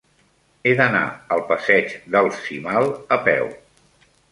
He d'anar al passeig del Cimal a peu.